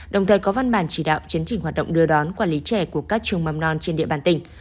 đồng thời có văn bản chỉ đạo chấn trình hoạt động đưa đón quản lý trẻ của các trường mầm non trên địa bàn tỉnh